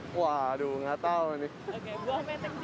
buah menteng juga namanya